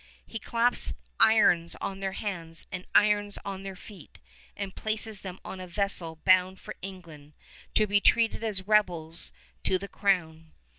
He claps irons on their hands and irons on their feet and places them on a vessel bound for England to be treated as rebels to the crown.